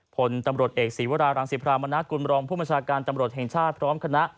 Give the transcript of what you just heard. ผลตำรวจเอกศีวรารังสิพรามนากุลบรองผู้บัญชาการตำรวจแห่งชาติพร้อมคณะ